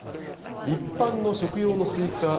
一般の食用のスイカ